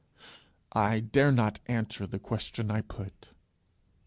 I dare not answer the question I put.